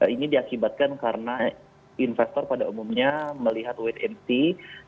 ini diakibatkan karena investor pada umumnya melihat wait and see